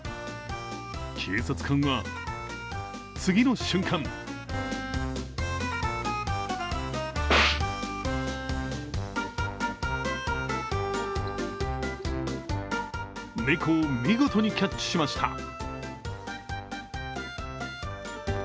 警察官は次の瞬間猫を見事にキャッチしました。